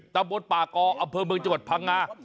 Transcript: ตำบลป่ากออำเภอเมืองจังหวัดพังงา